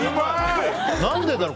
何でだろう？